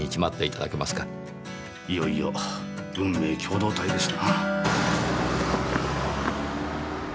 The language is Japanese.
いよいよ運命共同体ですな。